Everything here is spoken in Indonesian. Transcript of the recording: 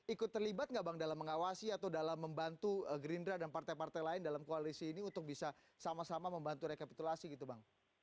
ikut terlibat nggak bang dalam mengawasi atau dalam membantu gerindra dan partai partai lain dalam koalisi ini untuk bisa sama sama membantu rekapitulasi gitu bang